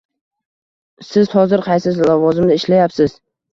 Siz hozir qaysi lavozimda ishlayapsiz